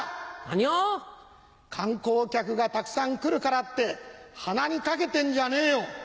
何を⁉観光客がたくさん来るからって鼻にかけてんじゃねえよ。